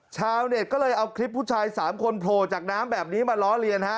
ชาวเน็ตก็เลยเอาคลิปผู้ชาย๓คนโผล่จากน้ำแบบนี้มาล้อเลียนฮะ